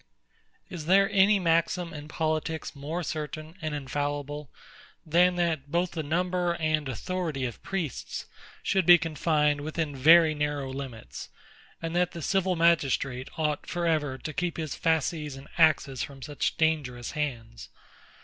Is there any maxim in politics more certain and infallible, than that both the number and authority of priests should be confined within very narrow limits; and that the civil magistrate ought, for ever, to keep his fasces and axes from such dangerous hands?